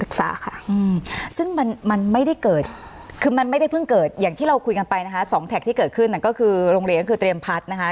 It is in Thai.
ถ้าเราคุยกันไปนะคะ๒แท็กที่เกิดขึ้นก็คือโรงเรียนก็คือเตรียมพัฒน์นะคะ